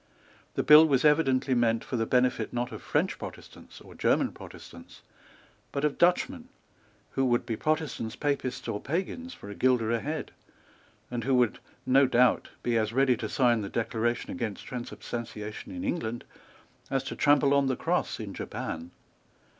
The bill was evidently meant for the benefit, not of French Protestants or German Protestants, but of Dutchmen, who would be Protestants, Papists or Pagans for a guilder a head, and who would, no doubt, be as ready to sign the Declaration against Transubstantiation in England as to trample on the Cross in Japan.